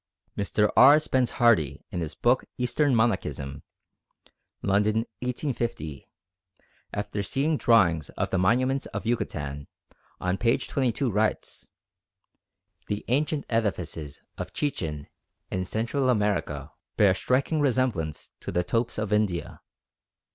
Mr. R. Spence Hardy in his book Eastern Monachism (London, 1850), after seeing drawings of the monuments of Yucatan, on p. 22 writes, "The ancient edifices of Chichen in Central America bear a striking resemblance to the topes of India.